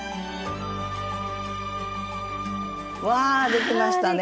わあできましたね。